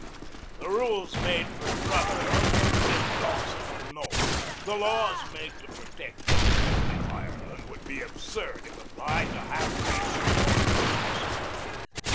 The rules made for Drogheda won't fit Dawson or Nome. The laws made to protect young women in Ireland would be absurd if applied to half breed squaws in Alaska.